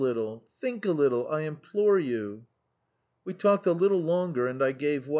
Think it over, I implore you !" We talked a little longer and I gave in.